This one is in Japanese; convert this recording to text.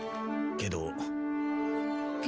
けど？